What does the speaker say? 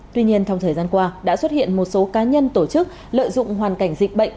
tuy nhiên trong thời gian qua đã xuất hiện một số cá nhân tổ chức lợi dụng hoàn cảnh dịch bệnh